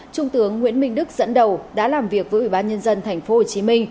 trung tướng nguyễn minh đức dẫn đầu đã làm việc với ủy ban nhân dân tp hcm